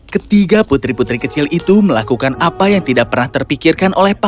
ketiga putri putri kecil itu melakukan apa yang tidak pernah terpikirkan oleh pasangan